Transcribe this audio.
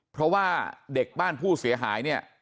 เพราะว่าเด็กบ้านผู้เสียหายเนี่ย